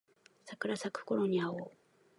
桜咲くころに会おう